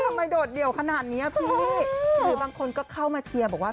เออทำไมโดดเดี่ยวขนาดนี้หรือบางคนเข้ามาเชียร์ว่า